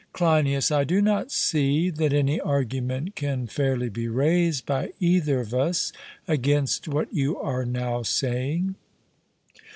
CLEINIAS: I do not see that any argument can fairly be raised by either of us against what you are now saying.